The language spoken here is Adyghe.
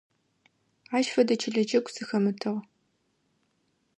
Ащ фэдэ чылэ джэгу сыхэмытыгъ.